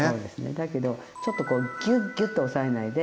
だけどちょっとこうギュッギュッと押さえないで。